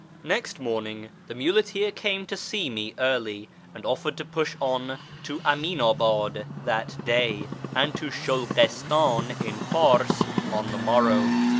Next morning the muleteer came to see me early, and offered to push on to Aminabad that day and to Shulghistan in Fcirs on the morrow.